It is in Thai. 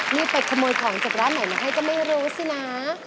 นี่ไปขโมยของจากร้านไหนมาให้ก็ไม่รู้สินะ